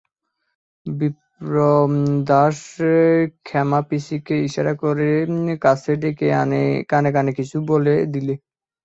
বিপ্রদাস ক্ষেমাপিসিকে ইশারা করে কাছে ডেকে কানে কানে কিছু বলে দিলে।